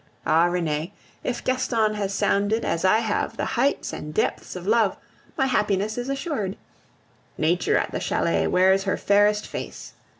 Ah! Renee, if Gaston has sounded, as I have, the heights and depths of love, my happiness is assured! Nature at the chalet wears her fairest face.